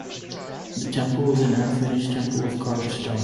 The Temple is an unfinished temple of carved stone.